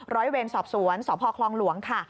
ร้อยเวรสอบสวนสพคลองหลวงค่ะ